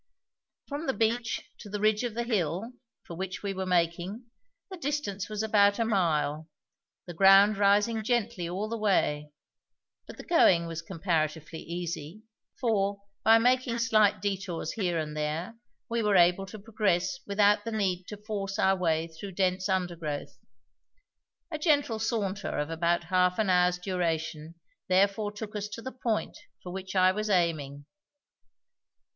From the beach to the ridge of the hill, for which we were making, the distance was about a mile, the ground rising gently all the way; but the going was comparatively easy, for by making slight detours here and there we were able to progress without the need to force our way through dense undergrowth; a gentle saunter of about half an hour's duration therefore took us to the point for which I was aiming.